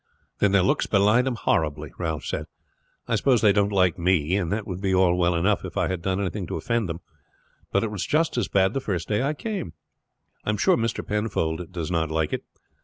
"Then their looks belie them horribly," Ralph said. "I suppose they don't like me; and that would be all well enough if I had done anything to offend them, but it was just as bad the first day I came. I am sure Mr. Penfold does not like it.